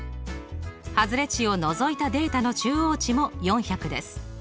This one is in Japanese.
外れ値をのぞいたデータの中央値も４００です。